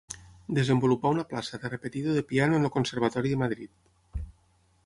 Desenvolupà una plaça de repetidor de piano en el Conservatori de Madrid.